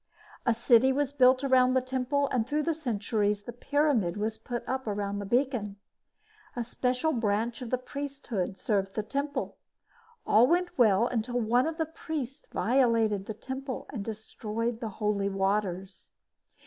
A city was built around the temple and, through the centuries, the pyramid was put up around the beacon. A special branch of the priesthood served the temple. All went well until one of the priests violated the temple and destroyed the holy waters.